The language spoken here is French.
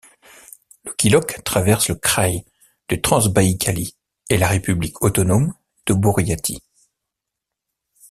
Le Khilok traverse le kraï de Transbaïkalie et la république autonome de Bouriatie.